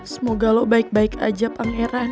semoga lo baik baik aja pangeran